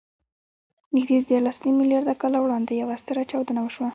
نږدې دیارلسنیم میلیارده کاله وړاندې یوه ستره چاودنه وشوه.